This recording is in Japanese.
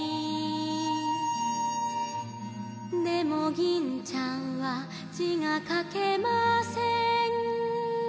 「でも銀ちゃんは字が書けません」